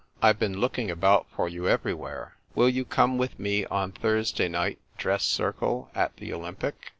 I've been looking about for you everywhere. Will you come with me on Thursday night, dress circle, at the Olympic